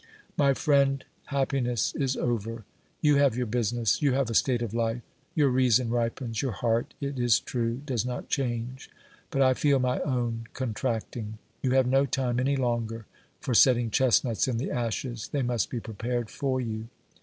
My friend, happiness is over. You have your business ; you have a state of life ; your reason ripens, your heart, it is true, does not change, but I feel my own contracting. You have no time any longer for setting chestnuts in the ashes, they must be prepared for you.